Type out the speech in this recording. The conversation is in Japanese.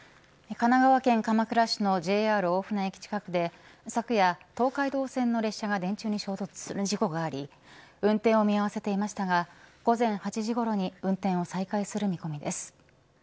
神奈川県鎌倉市のＪＲ大船駅近くで昨夜、東海道線の列車が電柱に衝突する事故があり運転を見合わせていましたが午前８時ごろに運転を再開する見込みです。